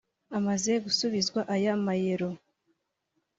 Amaze gusubizwa aya mayero